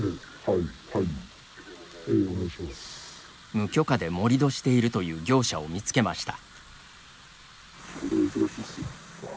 無許可で盛り土しているという業者を見つけました。